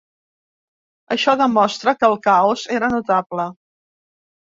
Això demostra que el caos era notable.